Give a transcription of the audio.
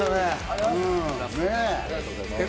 ありがとうございます。